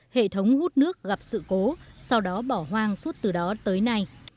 hệ thống hút nước gặp sự cố sau đó bỏ hoang suốt từ đó tới nay